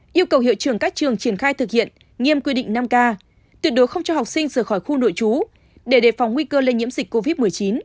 yêu cầu hiệu trưởng các trường triển khai thực hiện nghiêm quy định năm k tuyệt đối không cho học sinh rời khỏi khu nội trú để đề phòng nguy cơ lây nhiễm dịch covid một mươi chín